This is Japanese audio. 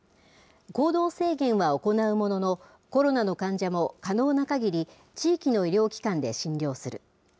行動制限は行うものの、コロナの患者も可能なかぎり地域の医療機関で診療する。